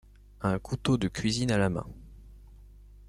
Un couteau de cuisine à la main.